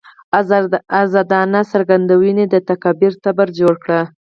ازادانه څرګندونې د تکفیر تبر جوړ کړ.